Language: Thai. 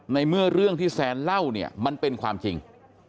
ในเมื่อเรื่องที่แซนเล่าเนี่ยมันเป็นความจริง